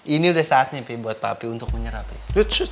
ini udah saatnya buat papi untuk menyerapnya